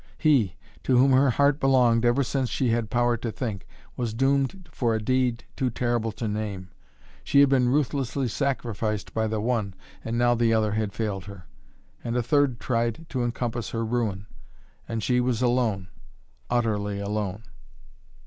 He, to whom her heart belonged ever since she had power to think, was doomed for a deed too terrible to name. She had been ruthlessly sacrificed by the one, and now the other had failed her, and a third tried to encompass her ruin. And she was alone utterly alone!